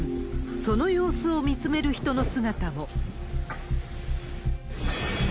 その様子を見つめる人の姿も。